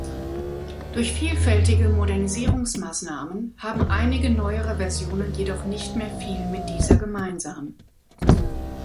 Durch vielfältige Modernisierungsmaßnahmen haben einige neuere Versionen jedoch nicht mehr viel mit dieser gemeinsam.